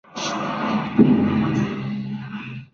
Durante una semana el equipo permaneció en la Radio Cenit.